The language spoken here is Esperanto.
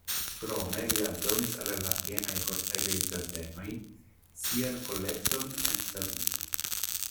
Krome li aldonis al la Vienaj kortegaj ĝardenoj sian kolekton en Brazilo.